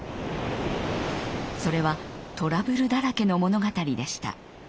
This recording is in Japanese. それはトラブルだらけの物語でした。